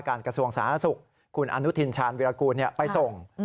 กระทรวงสาธารณสุขคุณอนุทินชาญวิรากูลไปส่ง